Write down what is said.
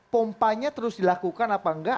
pompanya terus dilakukan apa enggak